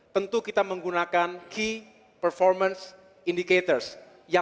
tentu kita menggunakan key performance in the military